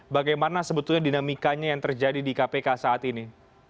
bagaimana sebetulnya dinamikanya yang terjadi di kpk saat ini